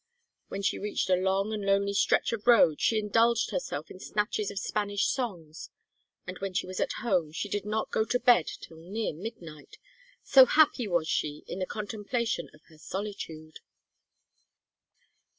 When she reached a long and lonely stretch of road she indulged herself in snatches of Spanish songs, and when she was at home she did not go to bed till near midnight, so happy was she in the contemplation of her solitude.